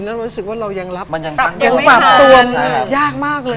แล้วรู้สึกว่าเรายังรับมันยังปรับตัวยากมากเลย